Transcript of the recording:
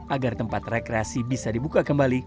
agar tempat rekreasi bisa dibuka kembali